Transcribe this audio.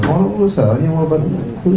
cảm nghĩ của tôi như vậy thôi